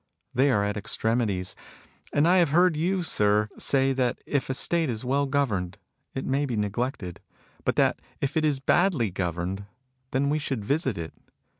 They are at extremities. And I have heard you, sir, say that if a State is well governed it may be neglected ; but that if it is badly governed, then we should visit it.